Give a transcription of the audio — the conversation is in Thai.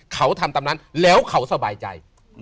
เขาทำตามนั้นแล้วเขาสบายใจ